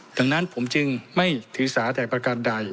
ดังนั้นผมจึงไม่ถือสาแต่ประการใด